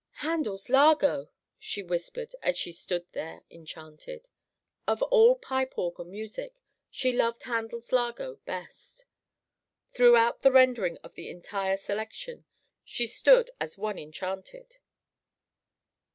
"Handel's Largo," she whispered as she stood there enchanted. Of all pipe organ music, she loved Handel's Largo best. Throughout the rendering of the entire selection, she stood as one enchanted.